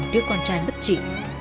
đứa con trai bất trị